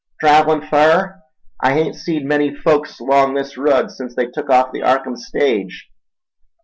Trav'lin' fur? I hain't seed many folks 'long this rud sence they tuk off the Arkham stage."